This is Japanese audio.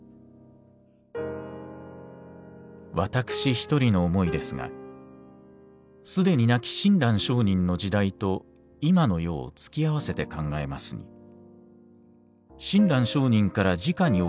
「私一人の思いですがすでに亡き親鸞聖人の時代と今の世を突き合わせて考えますに親鸞聖人から直にお聞きした真実の教えと